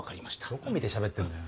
どこ見て喋ってんだよ